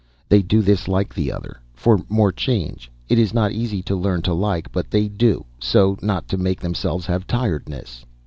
"They do this like the other, for more change. Is not easy to learn to like, but they do, so not to make themselves have tiredness."